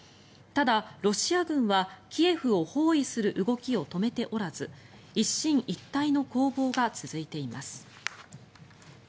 ただ、ロシア軍はキエフを包囲する動きを止めておらず一進一退の攻防が続いています。